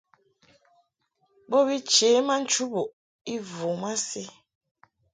Bo bi chě ma nchubuʼ i vu masi.